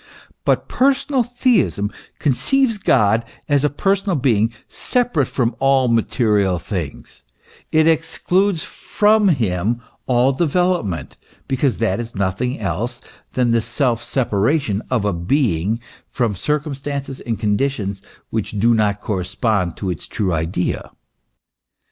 But personal theism con ceives God as a personal being, separate from all material things ; it excludes from him all development, because that is nothing else than the self separation of a being from circum stances and conditions which do not correspond to its true * L. c. p.